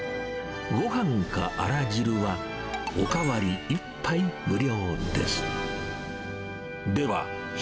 ごはんかアラ汁は、お代わり１杯無料です。